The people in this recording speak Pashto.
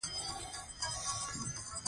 مخکې له مخکې باید کلک هوډ ولري.